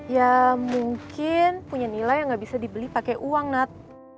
ya mungkin punya nilai yang gak bisa dibeli pake uang nad